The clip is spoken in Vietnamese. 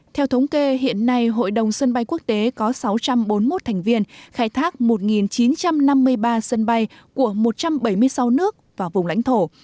theo thống kê hiện nay hội đồng sân bay quốc tế có sáu trăm bốn mươi một thành viên khai thác một chín trăm năm mươi ba sân bay của một trăm bảy mươi sáu nước và vùng lãnh thổ